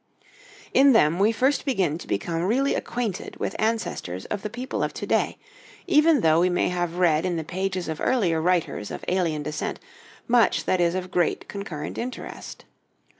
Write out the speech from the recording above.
In them we first begin to become really acquainted with ancestors of the people of to day, even though we may have read in the pages of earlier writers of alien descent much that is of great concurrent interest.